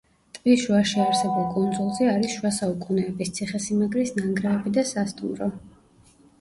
ტბის შუაში არსებულ კუნძულზე არის შუა საუკუნეების ციხე-სიმაგრის ნანგრევები და სასტუმრო.